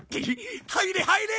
入れ入れ！